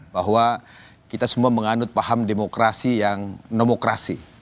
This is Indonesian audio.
bahwa kita semua menganut paham demokrasi yang nomokrasi